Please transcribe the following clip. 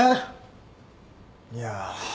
いや。